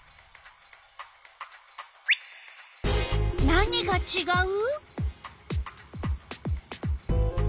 何がちがう？